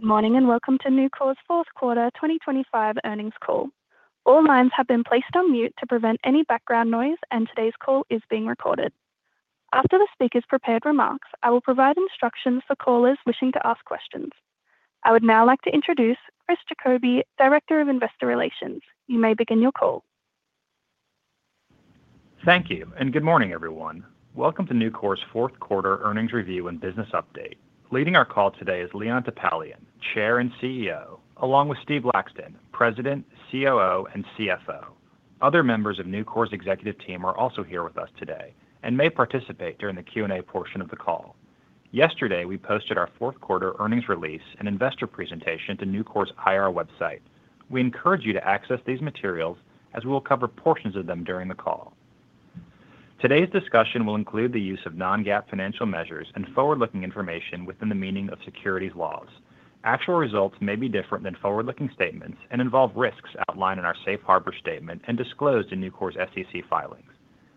Good morning, and welcome to Nucor's fourth quarter 2025 earnings call. All lines have been placed on mute to prevent any background noise, and today's call is being recorded. After the speaker's prepared remarks, I will provide instructions for callers wishing to ask questions. I would now like to introduce Chris Jacobi, Director of Investor Relations. You may begin your call. Thank you, and good morning, everyone. Welcome to Nucor's fourth quarter earnings review and business update. Leading our call today is Leon Topalian, Chair and CEO, along with Steve Laxton, President, COO, and CFO. Other members of Nucor's executive team are also here with us today and may participate during the Q&A portion of the call. Yesterday, we posted our fourth quarter earnings release and investor presentation to Nucor's IR website. We encourage you to access these materials as we will cover portions of them during the call. Today's discussion will include the use of non-GAAP financial measures and forward-looking information within the meaning of securities laws. Actual results may be different than forward-looking statements and involve risks outlined in our safe harbor statement and disclosed in Nucor's SEC filings.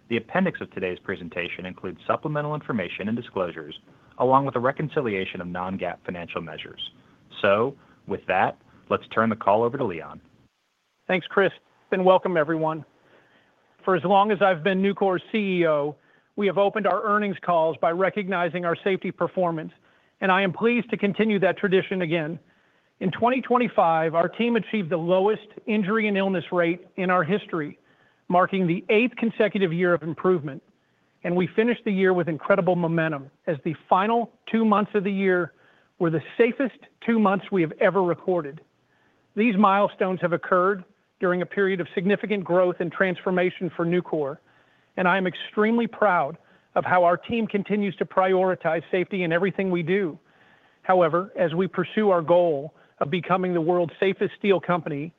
The appendix of today's presentation includes supplemental information and disclosures, along with a reconciliation of non-GAAP financial measures. With that, let's turn the call over to Leon. Thanks, Chris, and welcome everyone. For as long as I've been Nucor's CEO, we have opened our earnings calls by recognizing our safety performance, and I am pleased to continue that tradition again. In 2025, our team achieved the lowest injury and illness rate in our history, marking the eighth consecutive year of improvement, and we finished the year with incredible momentum as the final two months of the year were the safest two months we have ever recorded. These milestones have occurred during a period of significant growth and transformation for Nucor, and I am extremely proud of how our team continues to prioritize safety in everything we do. However, as we pursue our goal of becoming the world's safest steel company,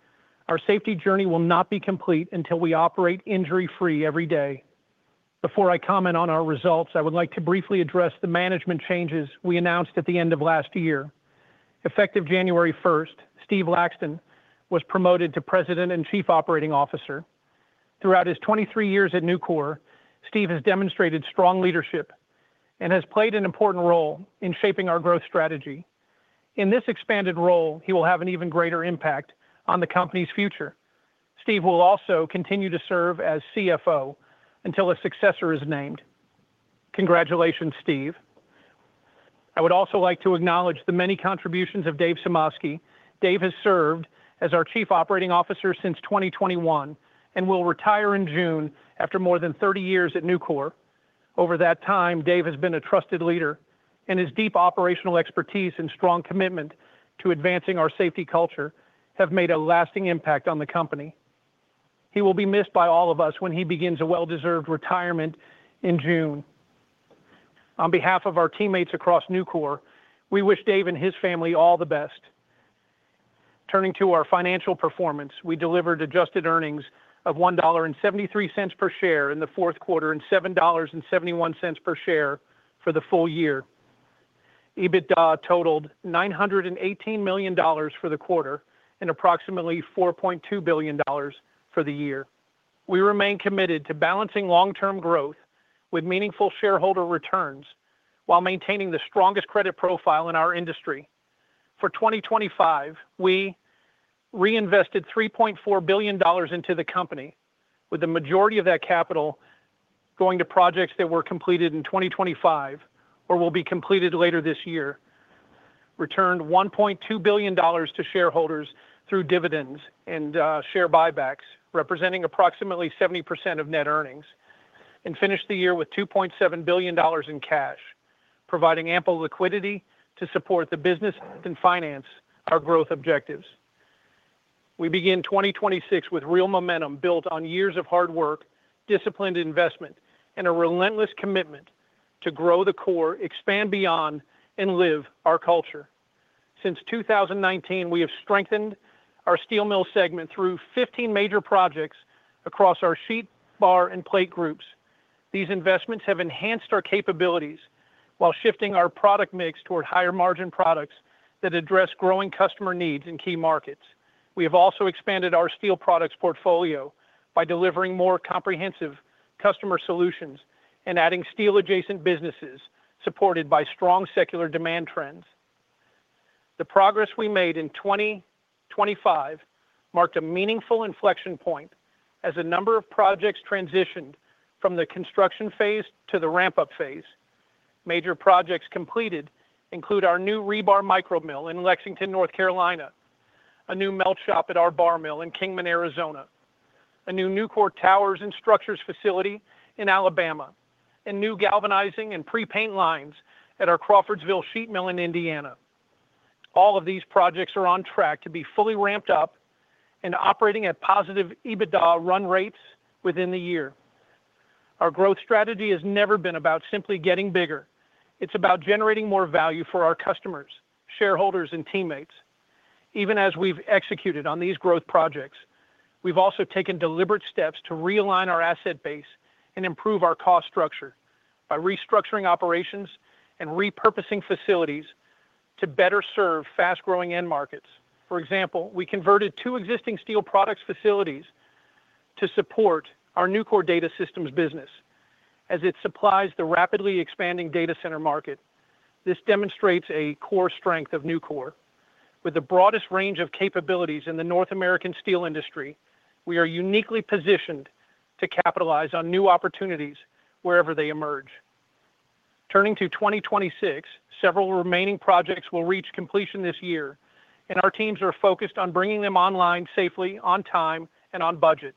our safety journey will not be complete until we operate injury-free every day. Before I comment on our results, I would like to briefly address the management changes we announced at the end of last year. Effective January 1st, Steve Laxton was promoted to President and Chief Operating Officer. Throughout his 23 years at Nucor, Steve has demonstrated strong leadership and has played an important role in shaping our growth strategy. In this expanded role, he will have an even greater impact on the company's future. Steve will also continue to serve as CFO until a successor is named. Congratulations, Steve. I would also like to acknowledge the many contributions of Dave Sumoski. Dave has served as our Chief Operating Officer since 2021 and will retire in June after more than 30 years at Nucor. Over that time, Dave has been a trusted leader, and his deep operational expertise and strong commitment to advancing our safety culture have made a lasting impact on the company. He will be missed by all of us when he begins a well-deserved retirement in June. On behalf of our teammates across Nucor, we wish Dave and his family all the best. Turning to our financial performance, we delivered adjusted earnings of $1.73 per share in the fourth quarter and $7.71 per share for the full year. EBITDA totaled $918 million for the quarter and approximately $4.2 billion for the year. We remain committed to balancing long-term growth with meaningful shareholder returns while maintaining the strongest credit profile in our industry. For 2025, we reinvested $3.4 billion into the company, with the majority of that capital going to projects that were completed in 2025 or will be completed later this year. Returned $1.2 billion to shareholders through dividends and share buybacks, representing approximately 70% of net earnings, and finished the year with $2.7 billion in cash, providing ample liquidity to support the business and finance our growth objectives. We begin 2026 with real momentum built on years of hard work, disciplined investment, and a relentless commitment to grow the core, expand beyond, and live our culture. Since 2019, we have strengthened our steel mill segment through 15 major projects across our sheet, bar, and plate groups. These investments have enhanced our capabilities while shifting our product mix toward higher-margin products that address growing customer needs in key markets. We have also expanded our steel products portfolio by delivering more comprehensive customer solutions and adding steel-adjacent businesses, supported by strong secular demand trends. The progress we made in 2025 marked a meaningful inflection point as a number of projects transitioned from the construction phase to the ramp-up phase. Major projects completed include our new rebar micromill in Lexington, North Carolina, a new melt shop at our bar mill in Kingman, Arizona, a new Nucor Towers and Structures facility in Alabama, and new galvanizing and pre-paint lines at our Crawfordsville sheet mill in Indiana. All of these projects are on track to be fully ramped up and operating at positive EBITDA run rates within the year. Our growth strategy has never been about simply getting bigger. It's about generating more value for our customers, shareholders, and teammates. Even as we've executed on these growth projects, we've also taken deliberate steps to realign our asset base and improve our cost structure by restructuring operations and repurposing facilities to better serve fast-growing end markets. For example, we converted two existing steel products facilities to support our Nucor Data Systems business as it supplies the rapidly expanding data center market. This demonstrates a core strength of Nucor. With the broadest range of capabilities in the North American steel industry, we are uniquely positioned to capitalize on new opportunities wherever they emerge. Turning to 2026, several remaining projects will reach completion this year, and our teams are focused on bringing them online safely, on time, and on budget.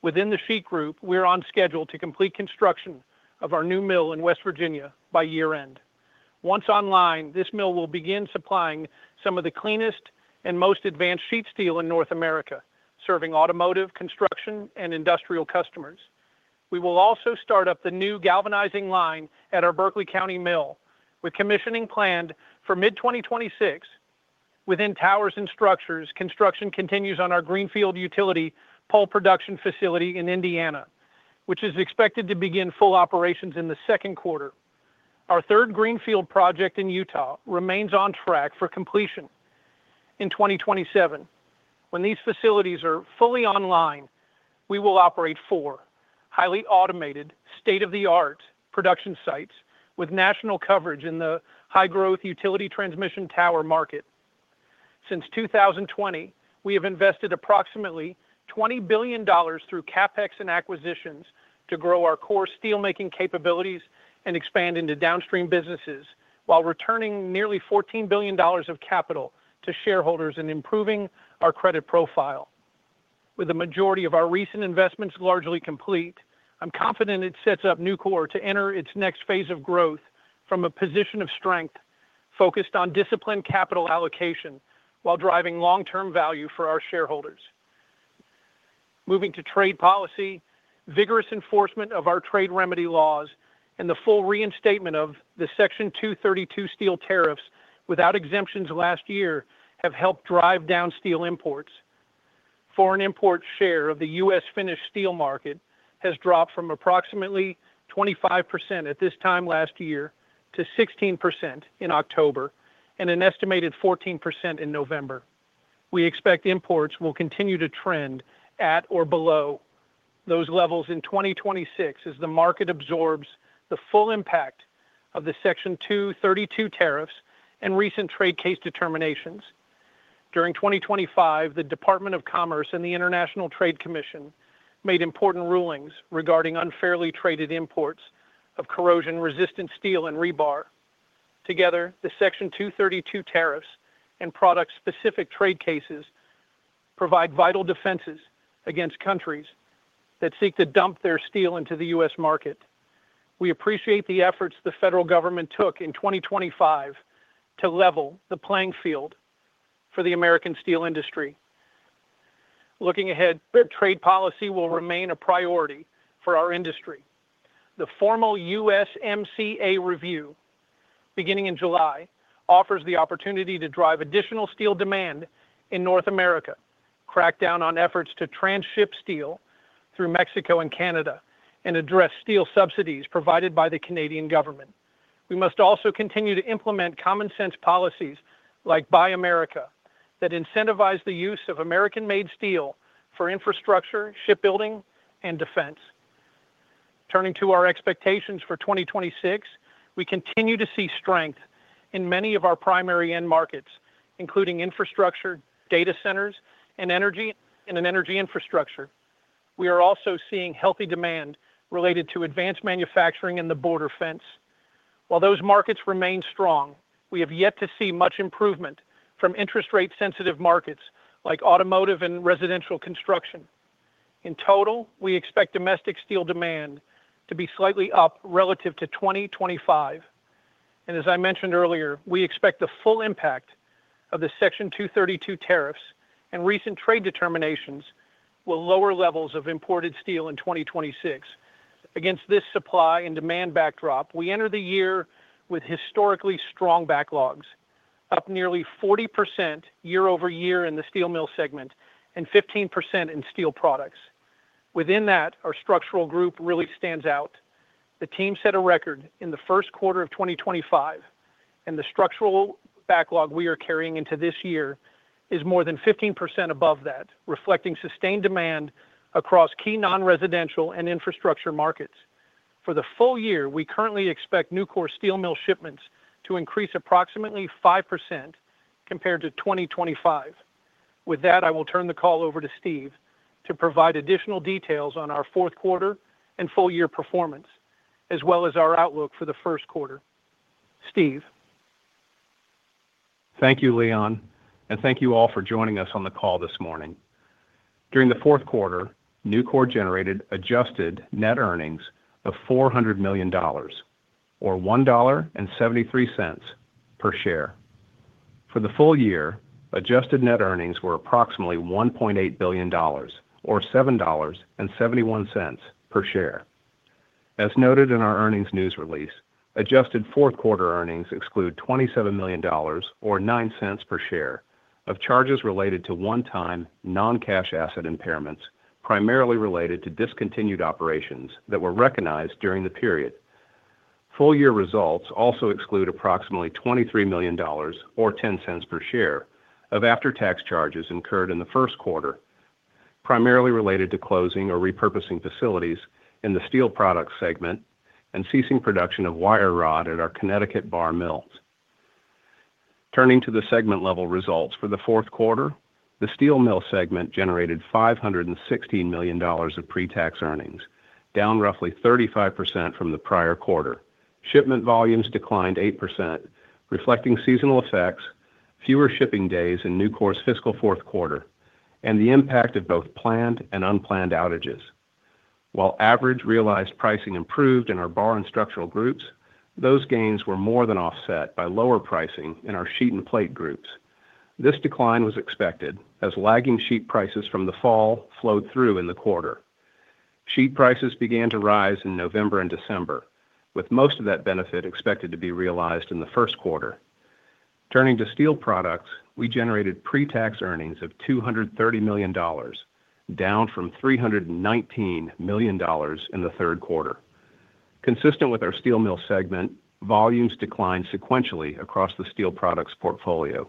Within the sheet group, we're on schedule to complete construction of our new mill in West Virginia by year-end. Once online, this mill will begin supplying some of the cleanest and most advanced sheet steel in North America, serving automotive, construction, and industrial customers. We will also start up the new galvanizing line at our Berkeley County mill, with commissioning planned for mid-2026. Within Towers and Structures, construction continues on our Greenfield utility pole production facility in Indiana, which is expected to begin full operations in the second quarter. Our third Greenfield project in Utah remains on track for completion in 2027. When these facilities are fully online, we will operate four highly automated, state-of-the-art production sites with national coverage in the high-growth utility transmission tower market. Since 2020, we have invested approximately $20 billion through CapEx and acquisitions to grow our core steelmaking capabilities and expand into downstream businesses, while returning nearly $14 billion of capital to shareholders and improving our credit profile. With the majority of our recent investments largely complete, I'm confident it sets up Nucor to enter its next phase of growth from a position of strength, focused on disciplined capital allocation while driving long-term value for our shareholders. Moving to trade policy, vigorous enforcement of our trade remedy laws and the full reinstatement of the Section 232 steel tariffs without exemptions last year have helped drive down steel imports. Foreign import share of the U.S. finished steel market has dropped from approximately 25% at this time last year to 16% in October, and an estimated 14% in November. We expect imports will continue to trend at or below those levels in 2026 as the market absorbs the full impact of the Section 232 tariffs and recent trade case determinations. During 2025, the Department of Commerce and the International Trade Commission made important rulings regarding unfairly traded imports of corrosion-resistant steel and rebar. Together, the Section 232 tariffs and product-specific trade cases provide vital defenses against countries that seek to dump their steel into the U.S. market. We appreciate the efforts the federal government took in 2025 to level the playing field for the American steel industry. Looking ahead, trade policy will remain a priority for our industry. The formal USMCA review, beginning in July, offers the opportunity to drive additional steel demand in North America, crack down on efforts to transship steel through Mexico and Canada, and address steel subsidies provided by the Canadian government. We must also continue to implement common-sense policies like Buy America, that incentivize the use of American-made steel for infrastructure, shipbuilding, and defense. Turning to our expectations for 2026, we continue to see strength in many of our primary end markets, including infrastructure, data centers, and energy, and in energy infrastructure. We are also seeing healthy demand related to advanced manufacturing and the border fence. While those markets remain strong, we have yet to see much improvement from interest rate-sensitive markets like automotive and residential construction. In total, we expect domestic steel demand to be slightly up relative to 2025, and as I mentioned earlier, we expect the full impact of the Section 232 tariffs and recent trade determinations will lower levels of imported steel in 2026. Against this supply and demand backdrop, we enter the year with historically strong backlogs, up nearly 40% year-over-year in the steel mill segment and 15% in steel products. Within that, our structural group really stands out. The team set a record in the first quarter of 2025, and the structural backlog we are carrying into this year is more than 15% above that, reflecting sustained demand across key non-residential and infrastructure markets. For the full year, we currently expect Nucor steel mill shipments to increase approximately 5% compared to 2025. With that, I will turn the call over to Steve to provide additional details on our fourth quarter and full year performance, as well as our outlook for the first quarter. Steve? Thank you, Leon, and thank you all for joining us on the call this morning. During the fourth quarter, Nucor generated adjusted net earnings of $400 million or $1.73 per share. For the full year, adjusted net earnings were approximately $1.8 billion or $7.71 per share. As noted in our earnings news release, adjusted fourth quarter earnings exclude $27 million or $0.09 per share of charges related to one-time non-cash asset impairments, primarily related to discontinued operations that were recognized during the period. Full year results also exclude approximately $23 million or $0.10 per share of after-tax charges incurred in the first quarter, primarily related to closing or repurposing facilities in the steel products segment and ceasing production of wire rod at our Connecticut bar mills. Turning to the segment level results for the fourth quarter, the steel mill segment generated $516 million of pretax earnings, down roughly 35% from the prior quarter. Shipment volumes declined 8%, reflecting seasonal effects, fewer shipping days in Nucor's fiscal fourth quarter, and the impact of both planned and unplanned outages. While average realized pricing improved in our bar and structural groups, those gains were more than offset by lower pricing in our sheet and plate groups. This decline was expected as lagging sheet prices from the fall flowed through in the quarter. Sheet prices began to rise in November and December, with most of that benefit expected to be realized in the first quarter. Turning to steel products, we generated pretax earnings of $230 million, down from $319 million in the third quarter. Consistent with our steel mill segment, volumes declined sequentially across the steel products portfolio.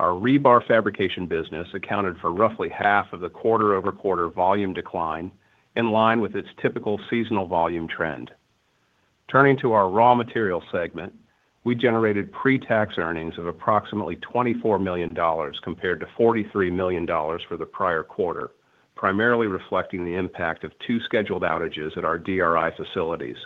Our rebar fabrication business accounted for roughly half of the quarter-over-quarter volume decline, in line with its typical seasonal volume trend. Turning to our raw material segment, we generated pretax earnings of approximately $24 million compared to $43 million for the prior quarter, primarily reflecting the impact of two scheduled outages at our DRI facilities.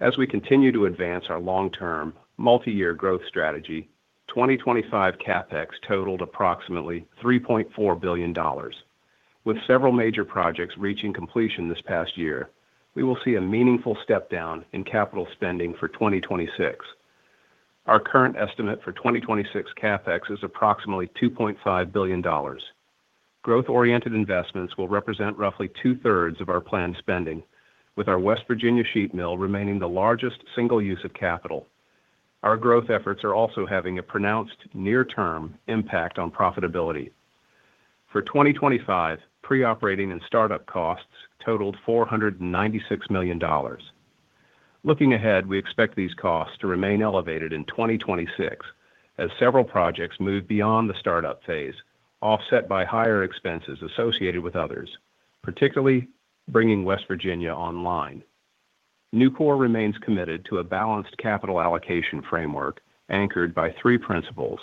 As we continue to advance our long-term, multi-year growth strategy, 2025 CapEx totaled approximately $3.4 billion. With several major projects reaching completion this past year, we will see a meaningful step down in capital spending for 2026. Our current estimate for 2026 CapEx is approximately $2.5 billion. Growth-oriented investments will represent roughly two-thirds of our planned spending, with our West Virginia sheet mill remaining the largest single use of capital. Our growth efforts are also having a pronounced near-term impact on profitability. For 2025, pre-operating and startup costs totaled $496 million. Looking ahead, we expect these costs to remain elevated in 2026 as several projects move beyond the startup phase, offset by higher expenses associated with others, particularly bringing West Virginia online. Nucor remains committed to a balanced capital allocation framework anchored by three principles: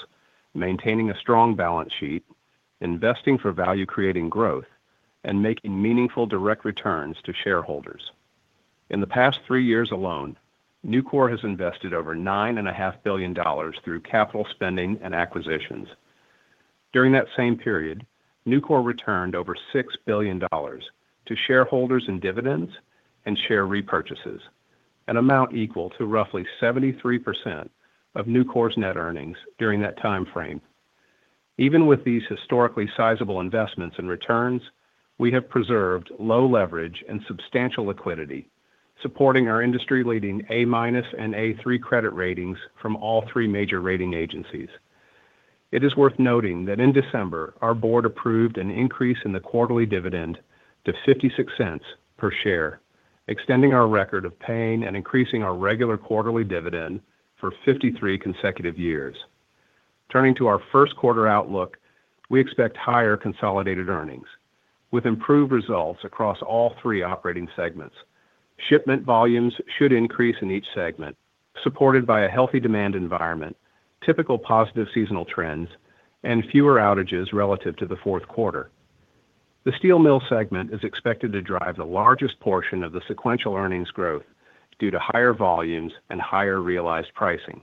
maintaining a strong balance sheet, investing for value, creating growth, and making meaningful direct returns to shareholders. In the past three years alone, Nucor has invested over $9.5 billion through capital spending and acquisitions. During that same period, Nucor returned over $6 billion to shareholders in dividends and share repurchases, an amount equal to roughly 73% of Nucor's net earnings during that time frame. Even with these historically sizable investments and returns, we have preserved low leverage and substantial liquidity, supporting our industry-leading A- and A3 credit ratings from all three major rating agencies. It is worth noting that in December, our board approved an increase in the quarterly dividend to $0.56 per share, extending our record of paying and increasing our regular quarterly dividend for 53 consecutive years. Turning to our first quarter outlook, we expect higher consolidated earnings, with improved results across all three operating segments. Shipment volumes should increase in each segment, supported by a healthy demand environment, typical positive seasonal trends, and fewer outages relative to the fourth quarter. The steel mill segment is expected to drive the largest portion of the sequential earnings growth due to higher volumes and higher realized pricing.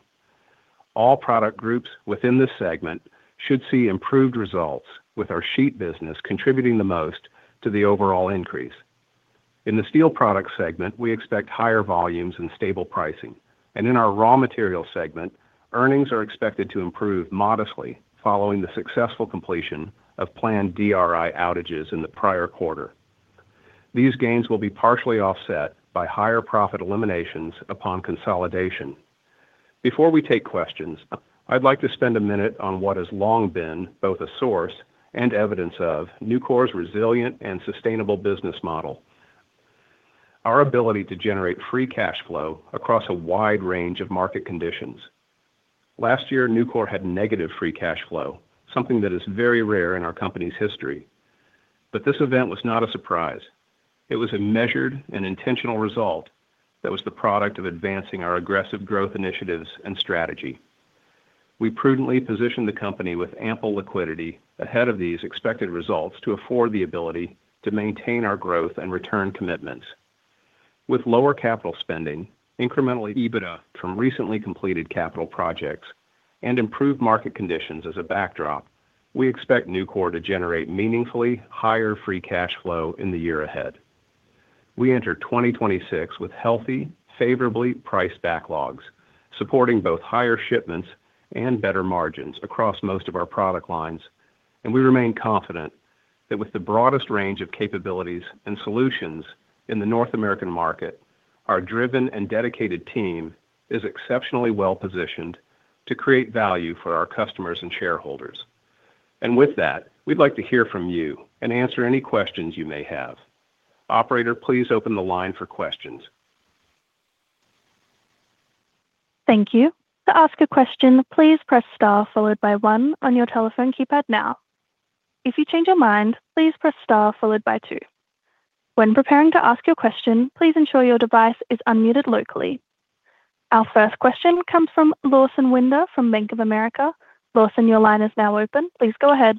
All product groups within this segment should see improved results, with our sheet business contributing the most to the overall increase. In the steel products segment, we expect higher volumes and stable pricing, and in our raw material segment, earnings are expected to improve modestly following the successful completion of planned DRI outages in the prior quarter. These gains will be partially offset by higher profit eliminations upon consolidation. Before we take questions, I'd like to spend a minute on what has long been both a source and evidence of Nucor's resilient and sustainable business model. Our ability to generate free cash flow across a wide range of market conditions. Last year, Nucor had negative free cash flow, something that is very rare in our company's history. This event was not a surprise. It was a measured and intentional result that was the product of advancing our aggressive growth initiatives and strategy. We prudently positioned the company with ample liquidity ahead of these expected results to afford the ability to maintain our growth and return commitments. With lower capital spending, incremental EBITDA from recently completed capital projects, and improved market conditions as a backdrop, we expect Nucor to generate meaningfully higher free cash flow in the year ahead. We enter 2026 with healthy, favorably priced backlogs, supporting both higher shipments and better margins across most of our product lines, and we remain confident that with the broadest range of capabilities and solutions in the North American market, our driven and dedicated team is exceptionally well-positioned to create value for our customers and shareholders. With that, we'd like to hear from you and answer any questions you may have. Operator, please open the line for questions. Thank you. To ask a question, please press star followed by one on your telephone keypad now. If you change your mind, please press star followed by two. When preparing to ask your question, please ensure your device is unmuted locally. Our first question comes from Lawson Winder from Bank of America. Lawson, your line is now open. Please go ahead.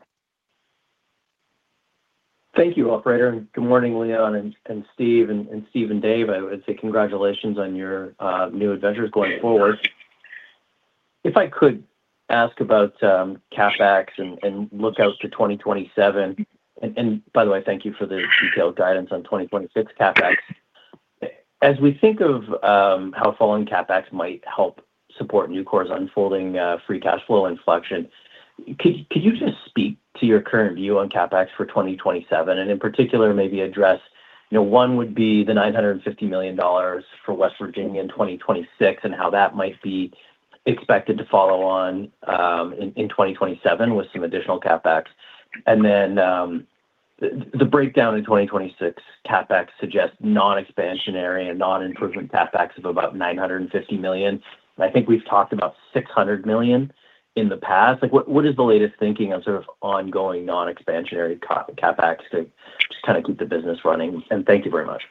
Thank you, operator, and good morning, Leon and Steve and Dave. I would say congratulations on your new adventures going forward. If I could ask about CapEx and look out to 2027. By the way, thank you for the detailed guidance on 2026 CapEx. As we think of how falling CapEx might help support Nucor's unfolding free cash flow inflection, could you just speak to your current view on CapEx for 2027, and in particular, maybe address, you know, one would be the $950 million for West Virginia in 2026 and how that might be expected to follow on in 2027 with some additional CapEx. Then, the breakdown in 2026 CapEx suggests non-expansionary and non-improvement CapEx of about $950 million. I think we've talked about $600 million in the past. Like, what, what is the latest thinking on sort of ongoing non-expansionary CapEx to just kinda keep the business running? And thank you very much.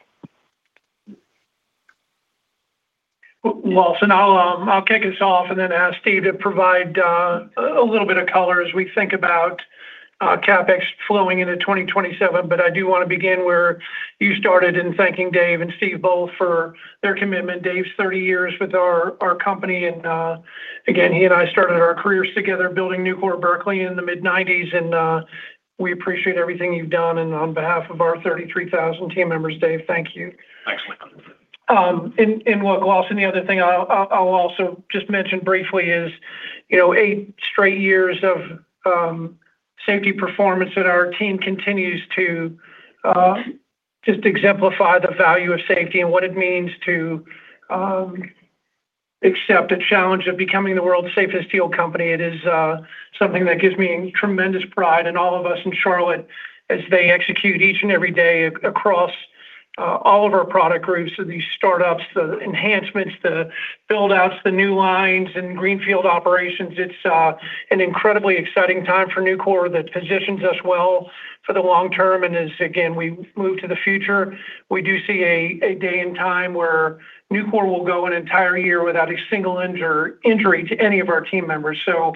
Well, Lawson, I'll kick us off and then ask Steve to provide a little bit of color as we think about CapEx flowing into 2027. But I do wanna begin where you started in thanking Dave and Steve both for their commitment. Dave's 30 years with our company, and again, he and I started our careers together, building Nucor Berkeley in the mid-1990s, and we appreciate everything you've done. And on behalf of our 33,000 team members, Dave, thank you. Well, Lawson, the other thing I'll also just mention briefly is, you know, eight straight years of safety performance that our team continues to just exemplify the value of safety and what it means to accept a challenge of becoming the world's safest steel company. It is something that gives me tremendous pride in all of us in Charlotte as they execute each and every day across all of our product groups. So these startups, the enhancements, the build-outs, the new lines, and Greenfield operations, it's an incredibly exciting time for Nucor that positions us well for the long term and as, again, we move to the future. We do see a day and time where Nucor will go an entire year without a single injury to any of our team members. So,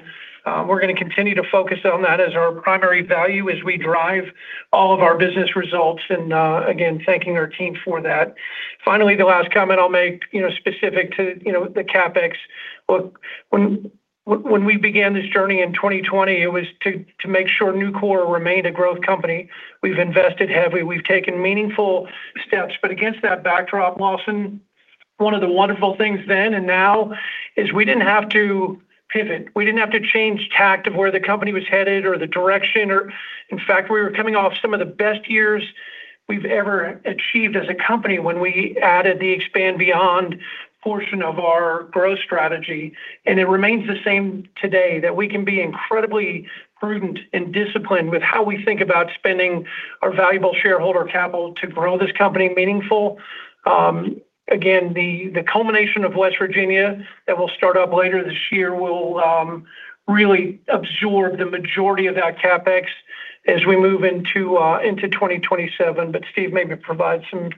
we're gonna continue to focus on that as our primary value, as we drive all of our business results, and, again, thanking our team for that. Finally, the last comment I'll make, you know, specific to, you know, the CapEx. Look, when, when we began this journey in 2020, it was to, to make sure Nucor remained a growth company. We've invested heavily. We've taken meaningful steps, but against that backdrop, Lawson, one of the wonderful things then and now is we didn't have to pivot. We didn't have to change tact of where the company was headed or the direction or. In fact, we were coming off some of the best years we've ever achieved as a company when we added the expand beyond portion of our growth strategy. And it remains the same today, that we can be incredibly prudent and disciplined with how we think about spending our valuable shareholder capital to grow this company meaningful. Again, the culmination of West Virginia that will start up later this year will really absorb the majority of that CapEx as we move into 2027. But Steve, maybe provide some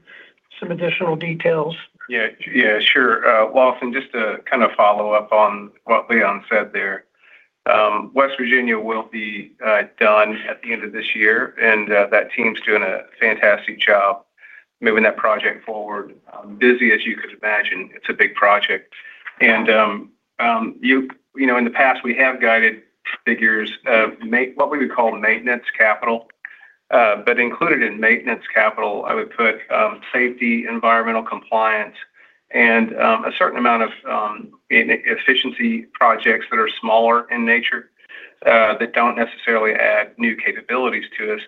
additional details. Yeah. Yeah, sure. Lawson, just to kinda follow up on what Leon said there. West Virginia will be done at the end of this year, and that team's doing a fantastic job moving that project forward. Busy, as you could imagine. It's a big project. And you know, in the past, we have guided figures of what we would call maintenance capital. But included in maintenance capital, I would put safety, environmental compliance, and a certain amount of efficiency projects that are smaller in nature, that don't necessarily add new capabilities to this.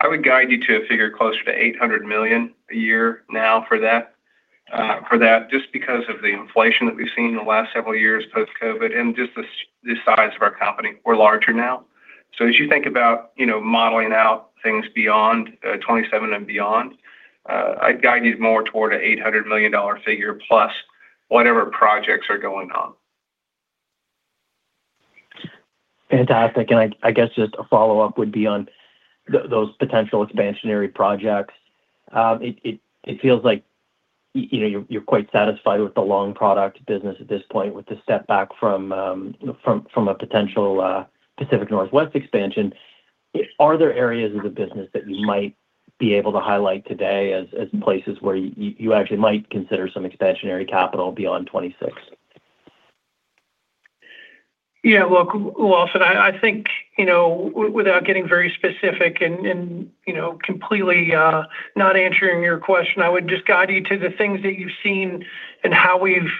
I would guide you to a figure closer to $800 million a year now for that, just because of the inflation that we've seen in the last several years, post-COVID, and just the size of our company. We're larger now. So as you think about, you know, modeling out things beyond 2027 and beyond, I'd guide you more toward a $800 million dollar figure, plus whatever projects are going on. Fantastic. And I guess just a follow-up would be on those potential expansionary projects. It feels like, you know, you're quite satisfied with the long product business at this point, with the setback from a potential Pacific Northwest expansion. Are there areas of the business that you might be able to highlight today as places where you actually might consider some expansionary capital beyond 2026? Yeah, look, Lawson, I think, you know, without getting very specific and, and, you know, completely not answering your question, I would just guide you to the things that you've seen and how we've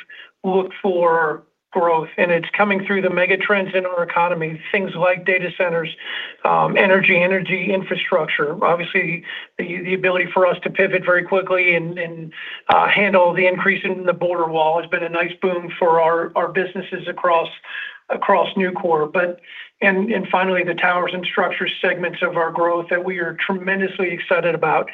looked for growth, and it's coming through the mega trends in our economy. Things like data centers, energy, energy infrastructure. Obviously, the ability for us to pivot very quickly and, and handle the increase in the border wall has been a nice boom for our businesses across Nucor. But and finally, the towers and structure segments of our growth that we are tremendously excited about.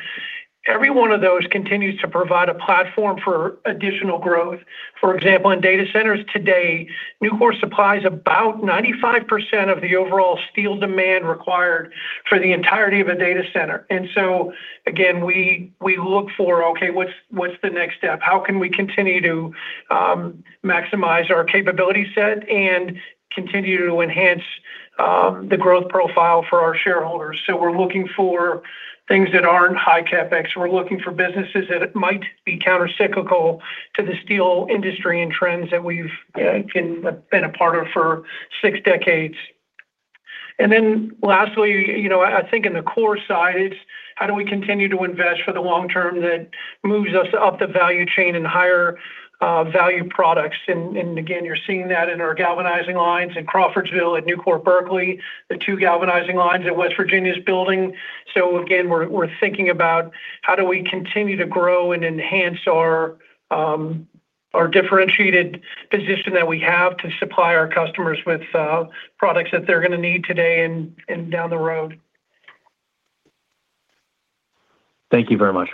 Every one of those continues to provide a platform for additional growth. For example, in data centers today, Nucor supplies about 95% of the overall steel demand required for the entirety of a data center. And so again, we look for, okay, what's the next step? How can we continue to maximize our capability set and continue to enhance the growth profile for our shareholders? So we're looking for things that aren't high CapEx. We're looking for businesses that might be countercyclical to the steel industry and trends that we've been a part of for six decades. And then lastly, you know, I think in the core side, it's how do we continue to invest for the long term that moves us up the value chain in higher value products? And again, you're seeing that in our galvanizing lines in Crawfordsville, at Nucor Berkeley, the two galvanizing lines that West Virginia's building. So again, we're thinking about how do we continue to grow and enhance our differentiated position that we have to supply our customers with products that they're gonna need today and down the road. Thank you very much.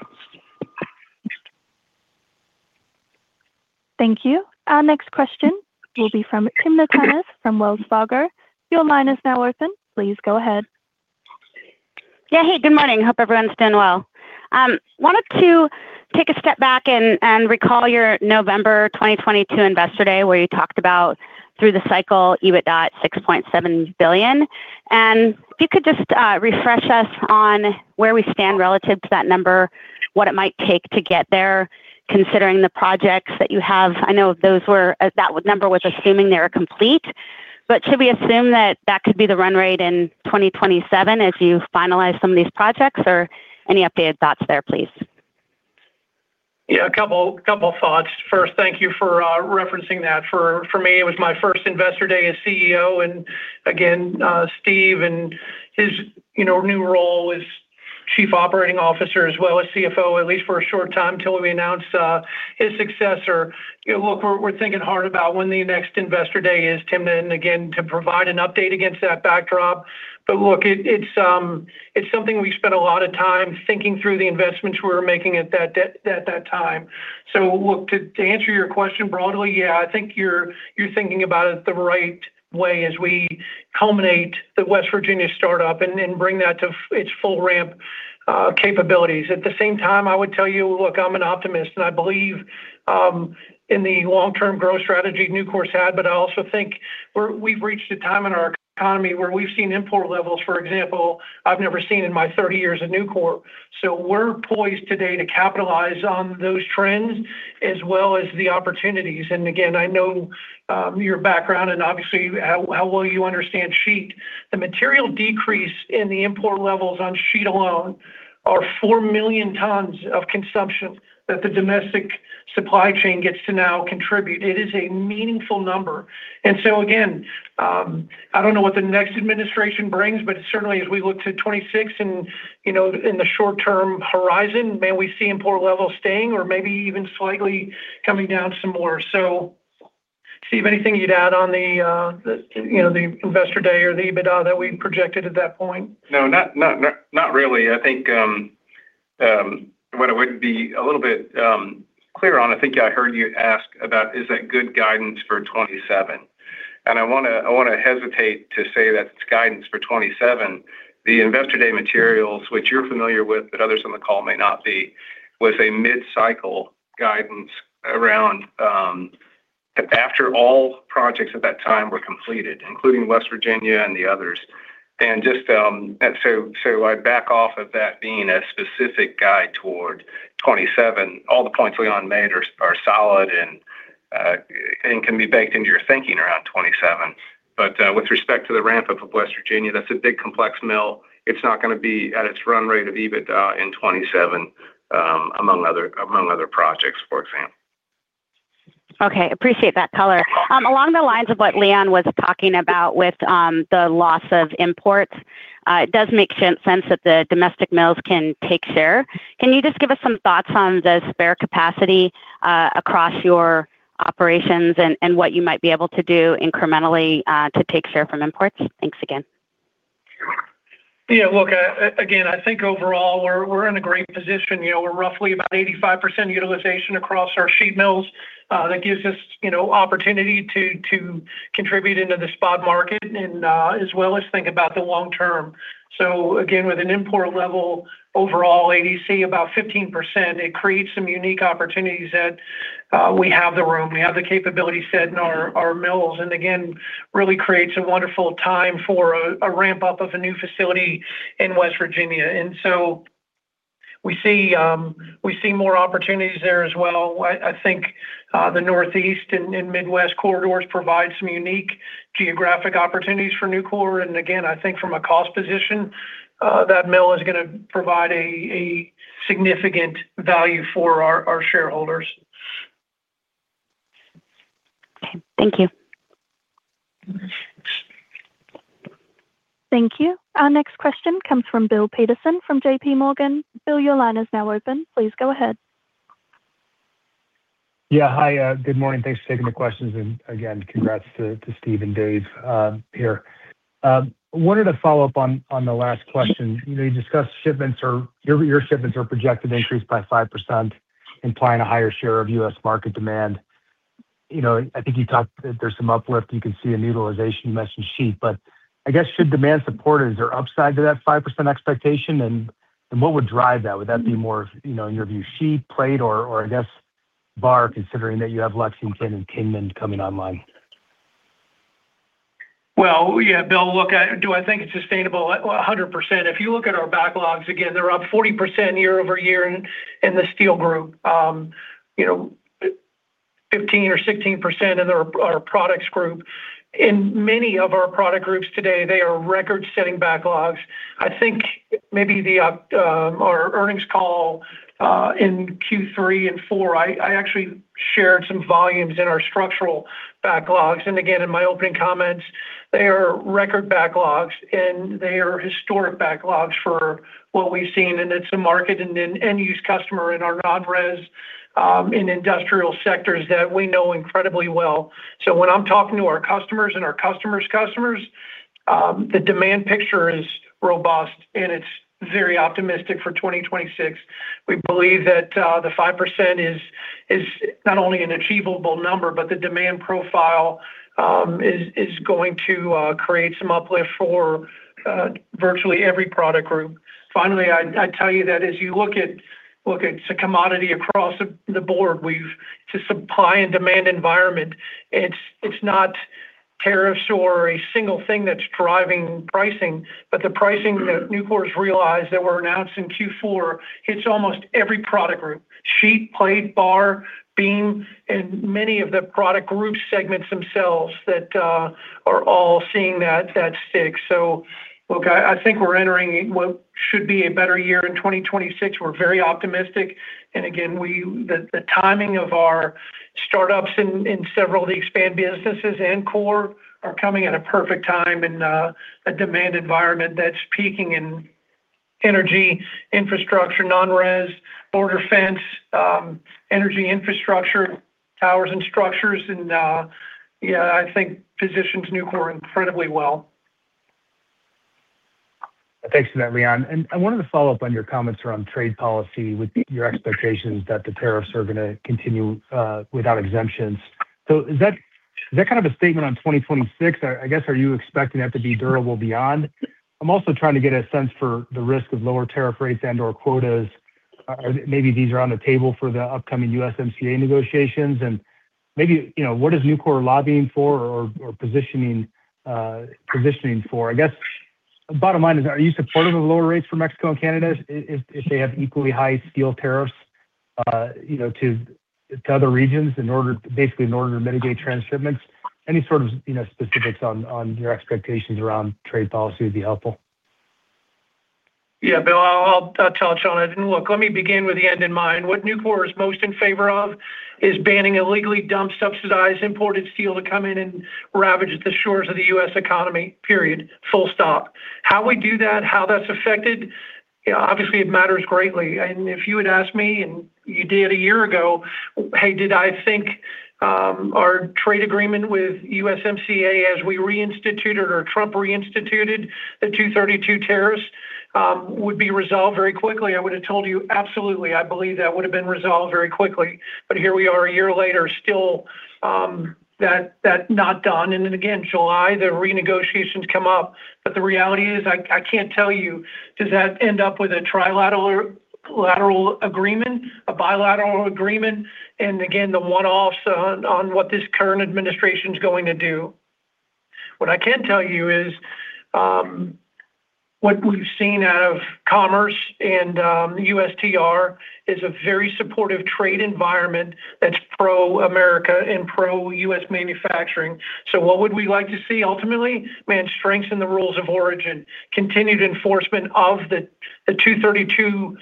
Thank you. Our next question will be from Timna Tanners from Wells Fargo. Your line is now open. Please go ahead. Yeah, hey, good morning. Hope everyone's doing well. Wanted to take a step back and recall your November 2022 Investor Day, where you talked about through the cycle, EBITDA at $6.7 billion. And if you could just refresh us on where we stand relative to that number, what it might take to get there, considering the projects that you have. I know those were, that number was assuming they were complete, but should we assume that that could be the run rate in 2027 as you finalize some of these projects? Or any updated thoughts there, please. Yeah, a couple thoughts. First, thank you for referencing that. For me, it was my first Investor Day as CEO, and again, Steve and his, you know, new role as Chief Operating Officer, as well as CFO, at least for a short time, till we announce his successor. You know, look, we're thinking hard about when the next Investor Day is, Tim, and again, to provide an update against that backdrop. But look, it's something we've spent a lot of time thinking through the investments we were making at that time. So look, to answer your question broadly, yeah, I think you're thinking about it the right way as we culminate the West Virginia startup and bring that to its full ramp capabilities. At the same time, I would tell you, look, I'm an optimist, and I believe in the long-term growth strategy Nucor's had, but I also think we've reached a time in our economy where we've seen import levels, for example, I've never seen in my 30 years at Nucor. So we're poised today to capitalize on those trends as well as the opportunities. And again, I know your background and obviously how well you understand sheet. The material decrease in the import levels on sheet alone are 4 million tons of consumption that the domestic supply chain gets to now contribute. It is a meaningful number. And so again, I don't know what the next administration brings, but certainly as we look to 2026 and, you know, in the short-term horizon, may we see import levels staying or maybe even slightly coming down some more. So Steve, anything you'd add on the, you know, the Investor Day or the EBITDA that we projected at that point? No, not really. I think what I would be a little bit clear on, I think I heard you ask about, is that good guidance for 2027. And I wanna hesitate to say that it's guidance for 2027. The Investor Day materials, which you're familiar with, but others on the call may not be, was a mid-cycle guidance around after all projects at that time were completed, including West Virginia and the others. And just, and so, so I'd back off of that being a specific guide toward 2027. All the points Leon made are solid and can be baked into your thinking around 2027. But with respect to the ramp-up of West Virginia, that's a big, complex mill. It's not gonna be at its run rate of EBITDA in 2027, among other projects, for example. Okay, appreciate that color. Along the lines of what Leon was talking about with the loss of imports, it does make sense that the domestic mills can take share. Can you just give us some thoughts on the spare capacity across your operations and what you might be able to do incrementally to take share from imports? Thanks again. Yeah, look, again, I think overall, we're in a great position. You know, we're roughly about 85% utilization across our sheet mills. That gives us, you know, opportunity to contribute into the spot market and, as well as think about the long term. So again, with an import level, overall, ADC about 15%, it creates some unique opportunities that we have the room, we have the capability set in our mills, and again, really creates a wonderful time for a ramp-up of a new facility in West Virginia. And so we see, we see more opportunities there as well. I think the Northeast and Midwest corridors provide some unique geographic opportunities for Nucor. And again, I think from a cost position, that mill is gonna provide a significant value for our shareholders. Okay. Thank you. Thank you. Our next question comes from Bill Peterson from JPMorgan. Bill, your line is now open. Please go ahead. Yeah. Hi, good morning. Thanks for taking the questions, and again, congrats to Steve and Dave here. I wanted to follow up on the last question. You know, you discussed your shipments are projected to increase by 5%, implying a higher share of U.S. market demand. You know, I think you talked that there's some uplift you can see in utilization, you mentioned sheet, but I guess should demand support, is there upside to that 5% expectation? And what would drive that? Would that be more of, you know, in your view, sheet, plate or bar, considering that you have Lexington and Kingman coming online? Well, yeah, Bill, look, do I think it's sustainable? 100%. If you look at our backlogs, again, they're up 40% year-over-year in the steel group. You know, 15% or 16% in our products group. In many of our product groups today, they are record-setting backlogs. I think maybe our earnings call in Q3 and Q4, I actually shared some volumes in our structural backlogs. And again, in my opening comments, they are record backlogs, and they are historic backlogs for what we've seen, and it's a market and an end-use customer in our non-res in industrial sectors that we know incredibly well. So when I'm talking to our customers and our customers' customers, the demand picture is robust and it's very optimistic for 2026. We believe that the 5% is not only an achievable number, but the demand profile is going to create some uplift for virtually every product group. Finally, I'd tell you that as you look at the commodity across the board, we've. It's a supply and demand environment. It's not tariffs or a single thing that's driving pricing, but the pricing that Nucor's realized that were announced in Q4 hits almost every product group: sheet, plate, bar, beam, and many of the product group segments themselves that are all seeing that stick. So look, I think we're entering what should be a better year in 2026. We're very optimistic, and again, the timing of our startups in several of the expand businesses and core are coming at a perfect time in a demand environment that's peaking in energy, infrastructure, non-res, border fence, energy infrastructure, towers and structures, and yeah, I think positions Nucor incredibly well. Thanks for that, Leon. I wanted to follow up on your comments around trade policy with your expectations that the tariffs are gonna continue without exemptions. So is that kind of a statement on 2026? I guess, are you expecting that to be durable beyond? I'm also trying to get a sense for the risk of lower tariff rates and/or quotas. Maybe these are on the table for the upcoming USMCA negotiations, and maybe, you know, what is Nucor lobbying for or positioning for? I guess the bottom line is, are you supportive of lower rates for Mexico and Canada if they have equally high steel tariffs, you know, to other regions in order, basically in order to mitigate trade shipments? Any sort of, you know, specifics on your expectations around trade policy would be helpful. Yeah, Bill, I'll, I'll touch on it. And look, let me begin with the end in mind. What Nucor is most in favor of is banning illegally dumped, subsidized imported steel to come in and ravage the shores of the U.S. economy, period. Full stop. How we do that, how that's affected, obviously, it matters greatly. And if you had asked me, and you did a year ago, "Hey, did I think, our trade agreement with USMCA as we reinstituted or Trump reinstituted the 232 tariffs, would be resolved very quickly?" I would have told you, absolutely. I believe that would have been resolved very quickly. But here we are, a year later, still, that not done, and then again, July, the renegotiations come up. But the reality is, I can't tell you, does that end up with a trilateral, lateral agreement, a bilateral agreement? And again, the one-offs on what this current administration's going to do. What I can tell you is, what we've seen out of commerce and USTR is a very supportive trade environment that's pro-America and pro-U.S. manufacturing. So what would we like to see ultimately? Man, strengthen the rules of origin, continued enforcement of the 232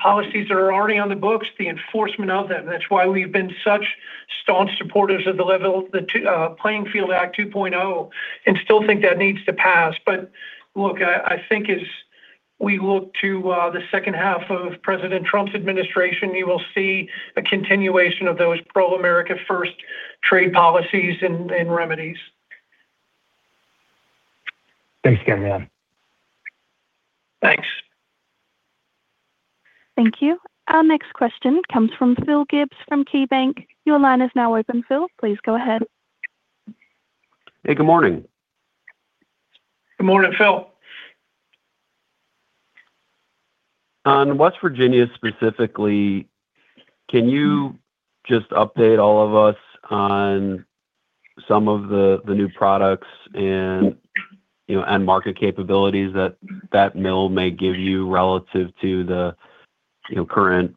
policies that are already on the books, the enforcement of them. That's why we've been such staunch supporters of the Level the Playing Field Act 2.0, and still think that needs to pass. But look, I think as we look to the second half of President Trump's administration, you will see a continuation of those pro-America first trade policies and remedies. Thanks again, Leon. Thanks. Thank you. Our next question comes from Phil Gibbs, from KeyBanc. Your line is now open, Phil. Please go ahead. Hey, good morning. Good morning, Phil. On West Virginia, specifically, can you just update all of us on some of the, the new products and, you know, and market capabilities that that mill may give you relative to the, you know, current,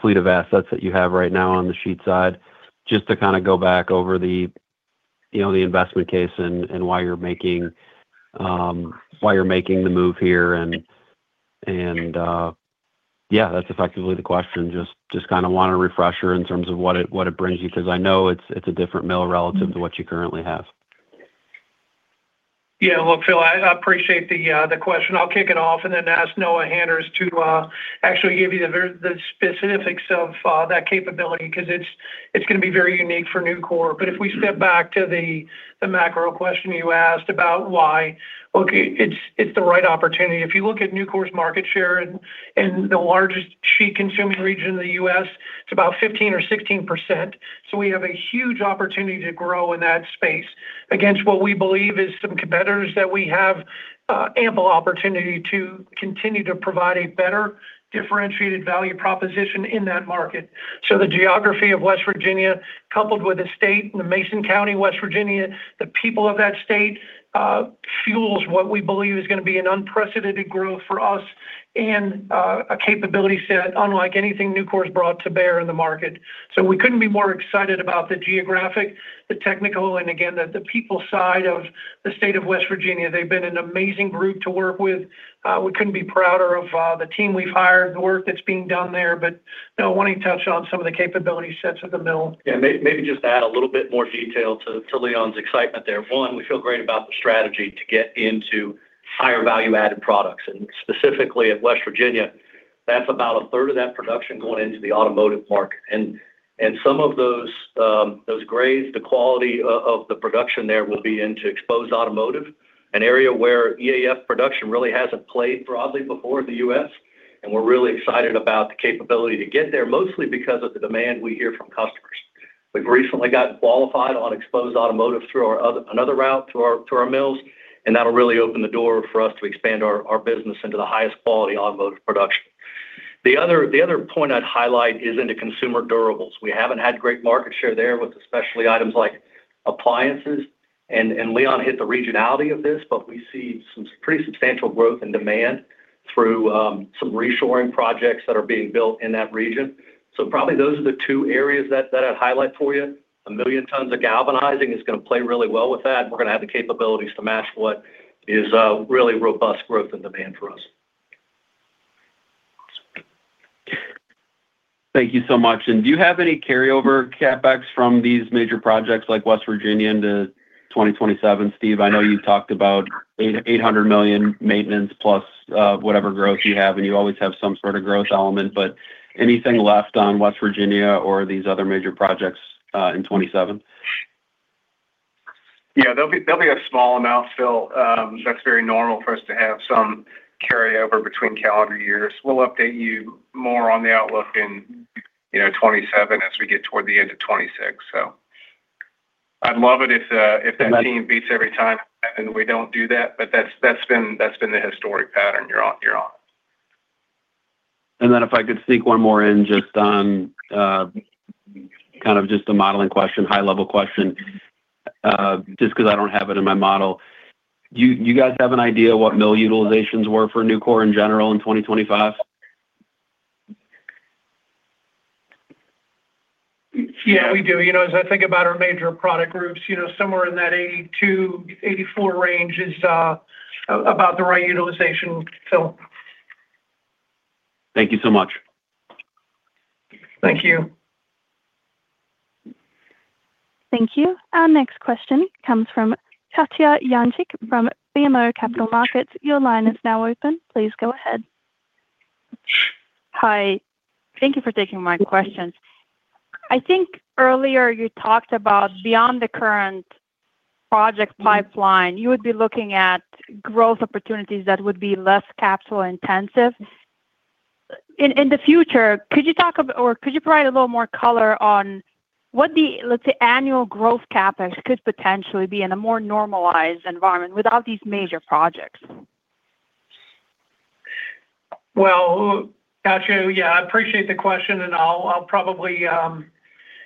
fleet of assets that you have right now on the sheet side? Just to kind of go back over the, you know, the investment case and, and, why you're making, why you're making the move here and, yeah, that's effectively the question. Just, just kind of want a refresher in terms of what it, what it brings you, because I know it's, it's a different mill relative to what you currently have. Yeah. Look, Phil, I appreciate the question. I'll kick it off and then ask Noah Hanners to actually give you the specifics of that capability, because it's gonna be very unique for Nucor. But if we step back to the macro question you asked about why? Okay, it's the right opportunity. If you look at Nucor's market share in the largest sheet-consuming region in the U.S., it's about 15 or 16%. So we have a huge opportunity to grow in that space against what we believe is some competitors that we have ample opportunity to continue to provide a better differentiated value proposition in that market. So the geography of West Virginia, coupled with the state and the Mason County, West Virginia, the people of that state, fuels what we believe is gonna be an unprecedented growth for us and a capability set unlike anything Nucor's brought to bear in the market. So we couldn't be more excited about the geographic, the technical, and again, the people side of the state of West Virginia. They've been an amazing group to work with. We couldn't be prouder of the team we've hired, the work that's being done there. But now, why don't you touch on some of the capability sets of the mill? Yeah, maybe just add a little bit more detail to Leon's excitement there. One, we feel great about the strategy to get into higher value-added products, and specifically at West Virginia. That's about a third of that production going into the automotive market. And some of those, those grades, the quality of the production there will be into exposed automotive, an area where EAF production really hasn't played broadly before in the U.S., and we're really excited about the capability to get there, mostly because of the demand we hear from customers. We've recently got qualified on exposed automotive through our another route to our, to our mills, and that'll really open the door for us to expand our, our business into the highest quality automotive production. The other, the other point I'd highlight is into consumer durables. We haven't had great market share there, with especially items like appliances, and, and Leon hit the regionality of this, but we see some pretty substantial growth and demand through some reshoring projects that are being built in that region. So probably those are the two areas that, that I'd highlight for you. 1 million tons of galvanizing is gonna play really well with that. We're gonna have the capabilities to match what is really robust growth and demand for us. Thank you so much. Do you have any carryover CapEx from these major projects like West Virginia into 2027? Steve, I know you talked about $800 million maintenance plus whatever growth you have, and you always have some sort of growth element, but anything left on West Virginia or these other major projects in 2027? Yeah, there'll be, there'll be a small amount, Phil. That's very normal for us to have some carryover between calendar years. We'll update you more on the outlook in, you know, 2027 as we get toward the end of 2026. So I'd love it if that team beats every time, and we don't do that, but that's, that's been, that's been the historic pattern you're on, you're on. And then if I could sneak one more in, just on, kind of just a modeling question, high-level question, just because I don't have it in my model. You guys have an idea what mill utilizations were for Nucor in general in 2025? Yeah, we do. You know, as I think about our major product groups, you know, somewhere in that 82-84 range is about the right utilization, Phil. Thank you so much. Thank you. Thank you. Our next question comes from Katja Jancic, from BMO Capital Markets. Your line is now open. Please go ahead. Hi. Thank you for taking my questions. I think earlier you talked about beyond the current project pipeline, you would be looking at growth opportunities that would be less capital intensive. In the future, could you talk a bit, or could you provide a little more color on what the, let's say, annual growth CapEx could potentially be in a more normalized environment without these major projects? Well, Katja, yeah, I appreciate the question, and I'll probably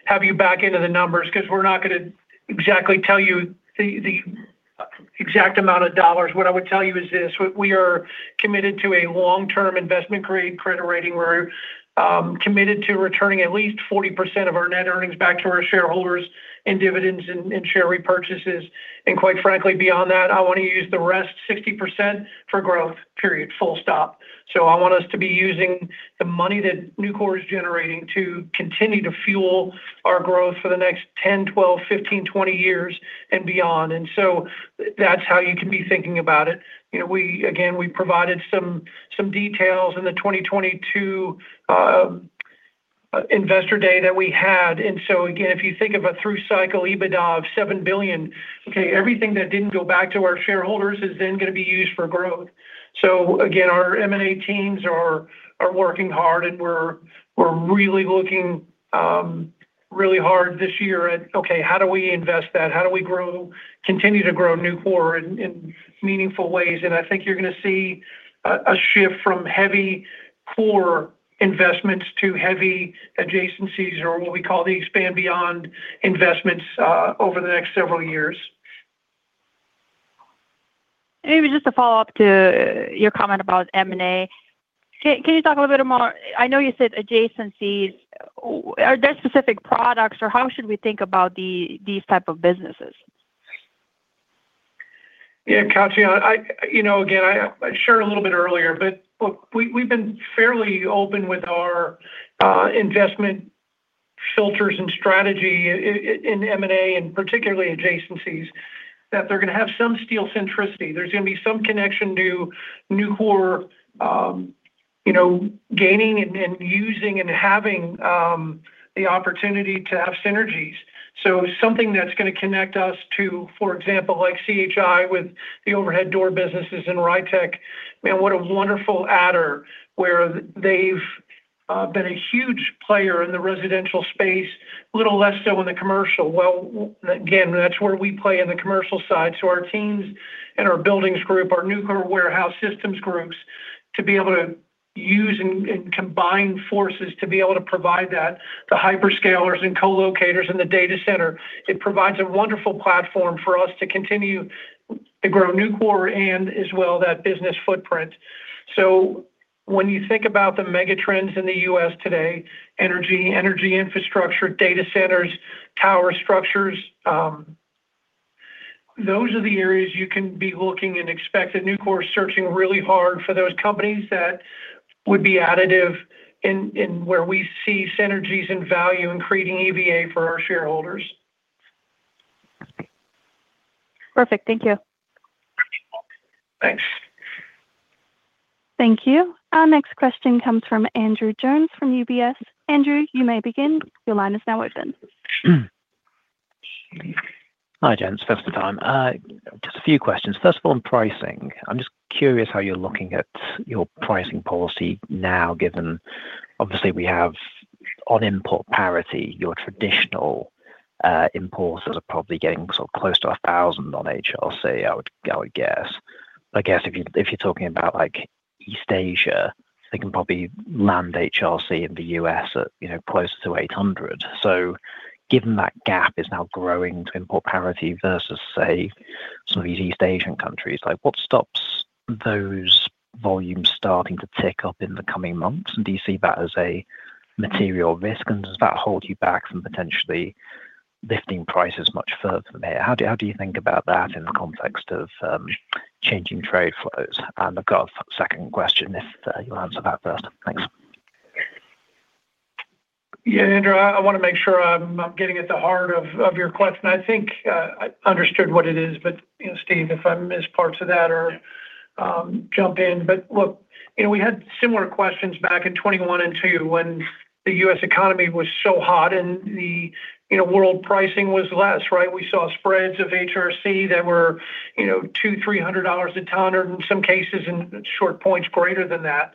have you back into the numbers because we're not gonna exactly tell you the exact amount of dollars. What I would tell you is this: We are committed to a long-term investment-grade credit rating. We're committed to returning at least 40% of our net earnings back to our shareholders in dividends and share repurchases. And quite frankly, beyond that, I want to use the rest, 60%, for growth, period. Full stop. So I want us to be using the money that Nucor is generating to continue to fuel our growth for the next 10, 12, 15, 20 years and beyond. And so that's how you can be thinking about it. You know, we again provided some details in the 2022 Investor Day that we had. So again, if you think of a through cycle, EBITDA of $7 billion, okay, everything that didn't go back to our shareholders is then gonna be used for growth. So again, our M&A teams are working hard, and we're really looking really hard this year at, okay, how do we invest that? How do we grow, continue to grow Nucor in meaningful ways? And I think you're gonna see a shift from heavy core investments to heavy adjacencies or what we call the expand beyond investments over the next several years. Maybe just a follow-up to your comment about M&A. Can you talk a little bit more. I know you said adjacencies. Are there specific products, or how should we think about the, these type of businesses? Yeah, Katja, you know, again, I shared a little bit earlier, but look, we've been fairly open with our investment filters and strategy in M&A, and particularly adjacencies, that they're gonna have some steel centricity. There's gonna be some connection to Nucor, you know, gaining and using and having the opportunity to have synergies. So something that's gonna connect us to, for example, like CHI with the overhead door businesses in Rytec. Man, what a wonderful adder, where they've been a huge player in the residential space, a little less so in the commercial. Well, again, that's where we play in the commercial side. So our teams and our buildings group, our Nucor Warehouse Systems group, to be able to use and, and combine forces to be able to provide that, the hyperscalers and co-locators in the data center, it provides a wonderful platform for us to continue to grow Nucor and as well, that business footprint. So when you think about the mega trends in the U.S. today, energy, energy infrastructure, data centers, tower structures, those are the areas you can be looking and expect that Nucor is searching really hard for those companies that would be additive in, in where we see synergies and value in creating EVA for our shareholders. Perfect. Thank you. Thanks. Thank you. Our next question comes from Andrew Jones from UBS. Andrew, you may begin. Your line is now open. Hi, gents. First time. Just a few questions. First of all, on pricing, I'm just curious how you're looking at your pricing policy now, given obviously, we have on import parity, your traditional importers are probably getting sort of close to $1,000 on HRC, I would, I would guess. I guess if you, if you're talking about, like, East Asia, they can probably land HRC in the U.S. at, you know, closer to $800. So given that gap is now growing to import parity versus, say, some of these East Asian countries, like, what stops those volumes starting to tick up in the coming months? And do you see that as a material risk, and does that hold you back from potentially lifting prices much further from here? How do, how do you think about that in the context of changing trade flows? I've got a second question, if you'll answer that first. Thanks. Yeah, Andrew, I wanna make sure I'm getting at the heart of your question. I think I understood what it is, but you know, Steve, if I missed parts of that or jump in. But look, you know, we had similar questions back in 2021 and 2022, when the U.S. economy was so hot and the you know, world pricing was less, right? We saw spreads of HRC that were you know, $200-$300 a ton, or in some cases, in short points greater than that.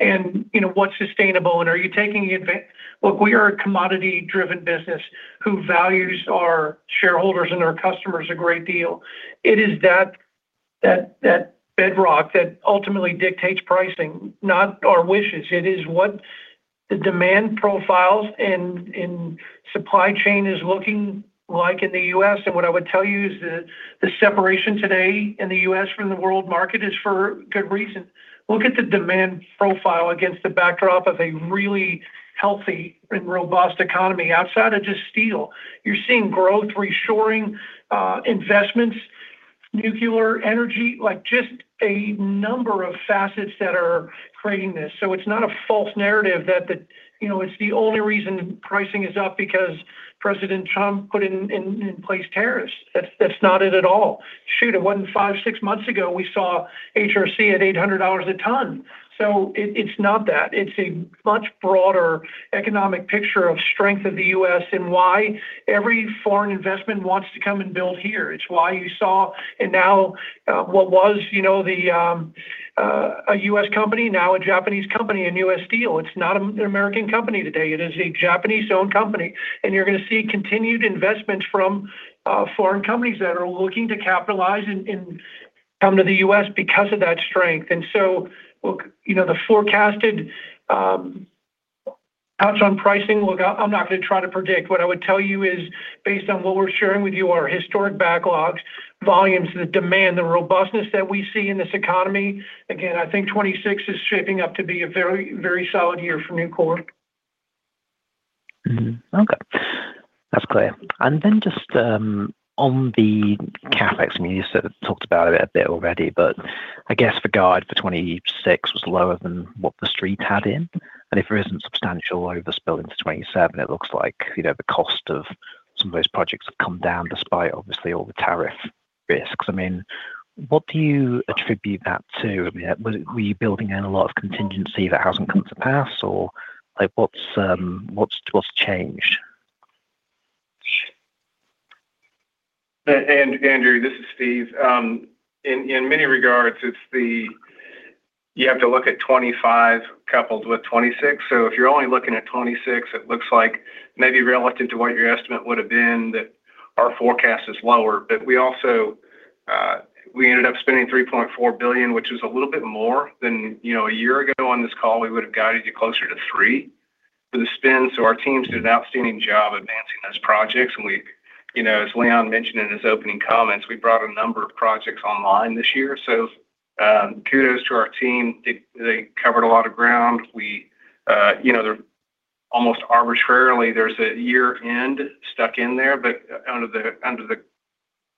And you know, what's sustainable and are you taking. Look, we are a commodity-driven business who values our shareholders and our customers a great deal. It is that bedrock that ultimately dictates pricing, not our wishes. It is what the demand profiles and supply chain is looking like in the U.S. What I would tell you is that the separation today in the U.S. from the world market is for good reason. Look at the demand profile against the backdrop of a really healthy and robust economy. Outside of just steel, you're seeing growth, reshoring, investments, nuclear energy, like just a number of facets that are creating this. So it's not a false narrative that the, you know, it's the only reason pricing is up because President Trump put in, in, in place tariffs. That's, that's not it at all. Shoot, it wasn't five, six months ago, we saw HRC at $800 a ton. So it, it's not that. It's a much broader economic picture of strength of the U.S. and why every foreign investment wants to come and build here. It's why you saw, and now, what was, you know, the, a U.S. company, now a Japanese company, a U.S. Steel. It's not an American company today, it is a Japanese-owned company. And you're gonna see continued investments from, foreign companies that are looking to capitalize and, and come to the U.S. because of that strength. And so, look, you know, the forecasted, touch on pricing, look, I'm not gonna try to predict. What I would tell you is, based on what we're sharing with you, our historic backlogs, volumes, the demand, the robustness that we see in this economy, again, I think 2026 is shaping up to be a very, very solid year for Nucor. Mm-hmm. Okay, that's clear. And then just on the CapEx, you sort of talked about it a bit already, but I guess the guide for 2026 was lower than what the Street had in. And if there isn't substantial overspill into 2027, it looks like, you know, the cost of some of those projects have come down, despite obviously all the tariff risks. I mean, what do you attribute that to? I mean, were you building in a lot of contingency that hasn't come to pass, or, like, what's changed? Andrew, this is Steve. In many regards, it's the. You have to look at 2025 coupled with 2026. So if you're only looking at 2026, it looks like maybe relative to what your estimate would have been, that our forecast is lower. But we also, we ended up spending $3.4 billion, which was a little bit more than, you know, a year ago on this call, we would have guided you closer to $3 billion for the spend. So our teams did an outstanding job advancing those projects. And we, you know, as Leon mentioned in his opening comments, we brought a number of projects online this year. So, kudos to our team. They, they covered a lot of ground. We, you know, the almost arbitrarily, there's a year-end stuck in there, but under the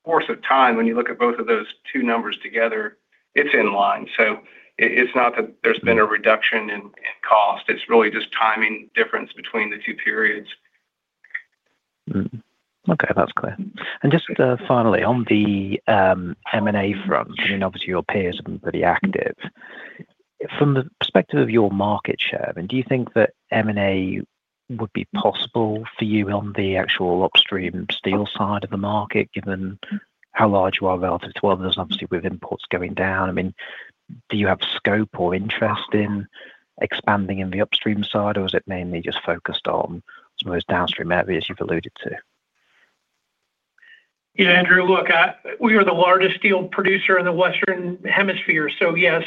course of time, when you look at both of those two numbers together, it's in line. So it's not that there's been a reduction in cost, it's really just timing difference between the two periods. Okay, that's clear. And just, finally, on the M&A front, I mean, obviously your peers have been pretty active. From the perspective of your market share, I mean, do you think that M&A would be possible for you on the actual upstream steel side of the market, given how large you are relative to others, obviously, with imports going down? I mean, do you have scope or interest in expanding in the upstream side, or is it mainly just focused on some of those downstream areas you've alluded to? Yeah, Andrew, look, we are the largest steel producer in the Western Hemisphere, so yes,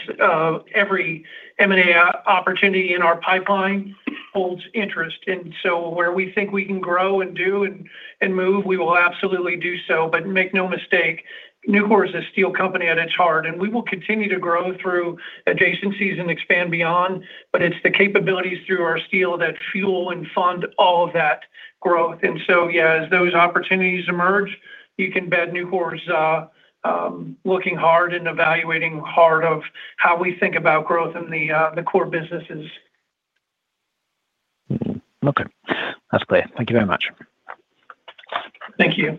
every M&A opportunity in our pipeline holds interest. And so where we think we can grow and do and, and move, we will absolutely do so. But make no mistake, Nucor is a steel company at its heart, and we will continue to grow through adjacencies and expand beyond, but it's the capabilities through our steel that fuel and fund all of that growth. And so, yeah, as those opportunities emerge, you can bet Nucor is looking hard and evaluating hard of how we think about growth in the core businesses. Okay. That's clear. Thank you very much. Thank you.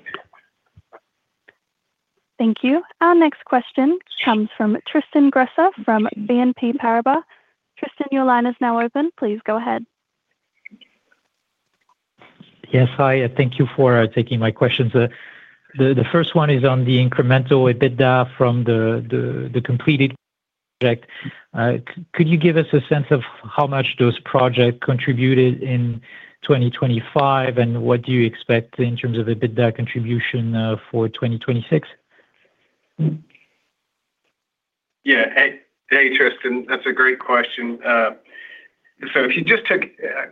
Thank you. Our next question comes from Tristan Gresser from BNP Paribas. Tristan, your line is now open. Please go ahead. Yes, hi, and thank you for taking my questions. The first one is on the incremental EBITDA from the completed project. Could you give us a sense of how much those project contributed in 2025, and what do you expect in terms of EBITDA contribution for 2026? Yeah. Hey, hey, Tristan. That's a great question. So if you just took.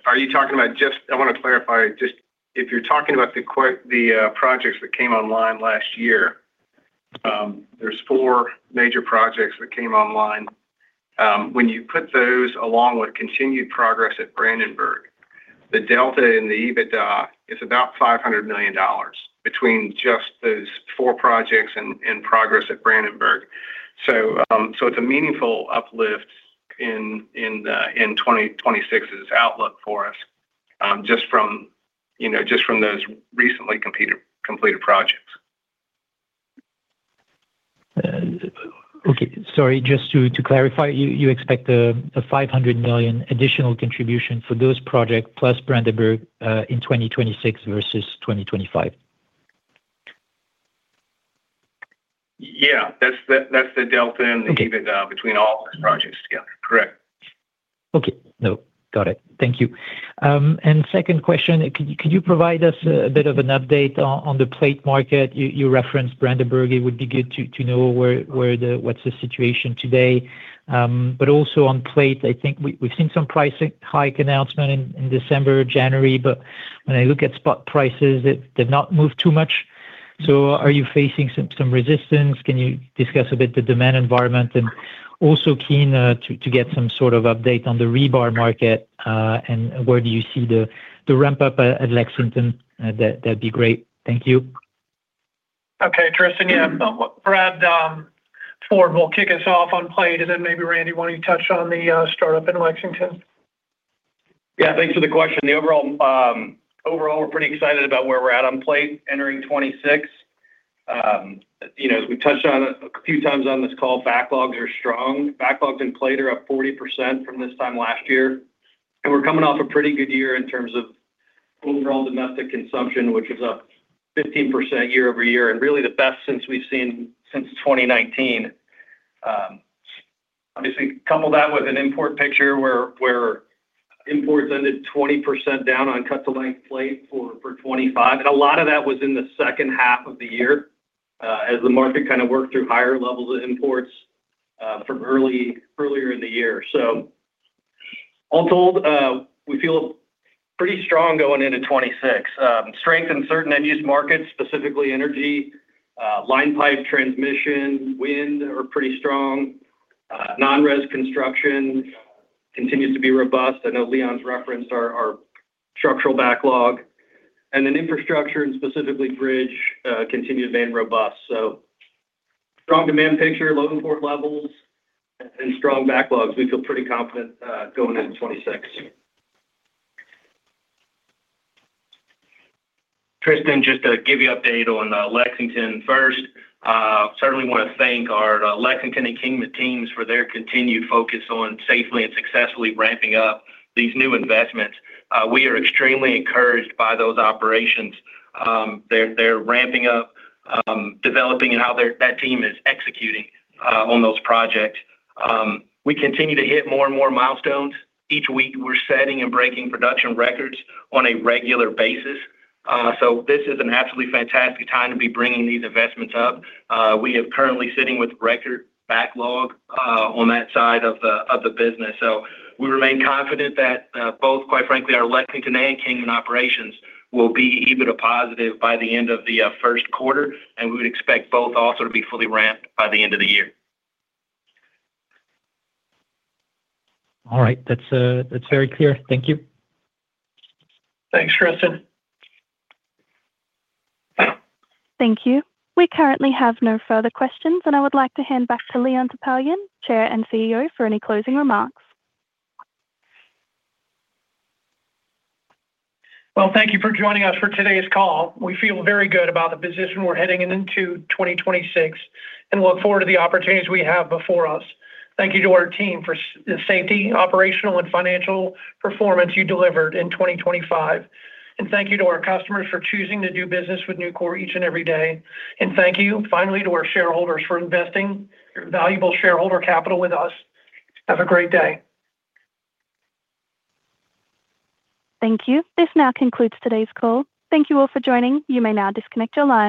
Are you talking about just, I wanna clarify, just if you're talking about the projects that came online last year, there's four major projects that came online. When you put those along with continued progress at Brandenburg, the delta in the EBITDA is about $500 million between just those four projects and progress at Brandenburg. So it's a meaningful uplift in the 2026 outlook for us, just from, you know, just from those recently completed projects. Okay. Sorry, just to clarify, you expect a $500 million additional contribution for those project plus Brandenburg, in 2026 versus 2025? Yeah. That's the, that's the delta in the EBITDA between all those projects together. Correct. Okay. No, got it. Thank you. And second question, could you provide us a bit of an update on the plate market? You referenced Brandenburg. It would be good to know what's the situation today. But also on plate, I think we've seen some pricing hike announcement in December, January, but when I look at spot prices, it did not move too much. So are you facing some resistance? Can you discuss a bit the demand environment? And also keen to get some sort of update on the rebar market, and where do you see the ramp up at Lexington? That'd be great. Thank you. Okay, Tristan, yeah. Brad Ford will kick us off on plate, and then maybe Randy, why don't you touch on the startup in Lexington? Yeah, thanks for the question. The overall, we're pretty excited about where we're at on plate entering 2026. You know, as we touched on it a few times on this call, backlogs are strong. Backlogs in plate are up 40% from this time last year, and we're coming off a pretty good year in terms of overall domestic consumption, which was up 15% year-over-year, and really the best since we've seen since 2019. Obviously, couple that with an import picture where imports ended 20% down on cut-to-length plate for 2025. And a lot of that was in the second half of the year, as the market kind of worked through higher levels of imports from earlier in the year. So all told, we feel pretty strong going into 2026. Strength in certain end-use markets, specifically energy, line pipe, transmission, wind are pretty strong. Non-res construction continues to be robust. I know Leon's referenced our structural backlog. And then infrastructure, and specifically bridge, continue to remain robust. So strong demand picture, low import levels, and strong backlogs. We feel pretty confident going into 2026. Tristan, just to give you update on Lexington first. Certainly want to thank our Lexington and Kingman teams for their continued focus on safely and successfully ramping up these new investments. We are extremely encouraged by those operations. They're ramping up, developing and how that team is executing on those projects. We continue to hit more and more milestones. Each week, we're setting and breaking production records on a regular basis. So this is an absolutely fantastic time to be bringing these investments up. We are currently sitting with record backlog on that side of the business. So we remain confident that, both, quite frankly, our Lexington and Kingman operations will be EBITDA positive by the end of the first quarter, and we would expect both also to be fully ramped by the end of the year. All right. That's, that's very clear. Thank you. Thanks, Tristan. Thank you. We currently have no further questions, and I would like to hand back to Leon Topalian, Chair and CEO, for any closing remarks. Well, thank you for joining us for today's call. We feel very good about the position we're heading into 2026 and look forward to the opportunities we have before us. Thank you to our team for the safety, operational, and financial performance you delivered in 2025. And thank you to our customers for choosing to do business with Nucor each and every day. And thank you, finally, to our shareholders for investing your valuable shareholder capital with us. Have a great day. Thank you. This now concludes today's call. Thank you all for joining. You may now disconnect your lines.